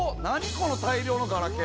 この大量のガラケー！